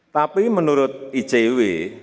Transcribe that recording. tapi menurut icw